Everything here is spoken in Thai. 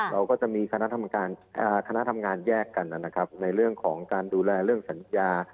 เราก็จะมีคณะทำงานแยกกันนะครับในเรื่องของการดูแลเรื่องสัญญา